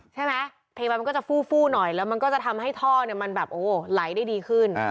ใช่ไหมเพลงมันก็จะฟู้หน่อยแล้วมันก็จะทำให้ท่อมันแบบไหลได้ดีขึ้น